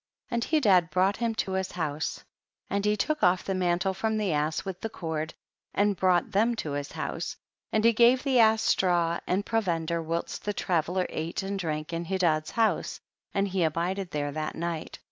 23. And Hedad brought him to his house, and he took off the mantle from the ass with the cord, and brought them to his house, and he gave the ass straw and provender whilst the traveller ate and drank in Hedad's house, and he abided there that night.